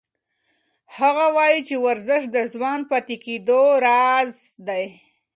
هغه وایي چې ورزش د ځوان پاتې کېدو راز دی.